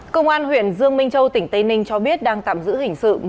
công an huyện dương minh châu tỉnh tây ninh cho biết đang tạm giữ hình sự